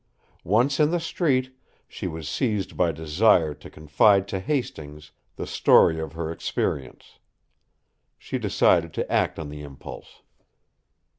Once in the street, she was seized by desire to confide to Hastings the story of her experience. She decided to act on the impulse.